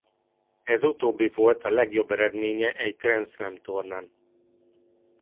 Ez utóbbi volt a legjobb eredménye egy Grand Slam-tornán.